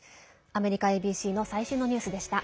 アメリカＡＢＣの最新のニュースでした。